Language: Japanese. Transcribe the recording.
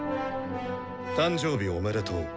誕生日おめでとう。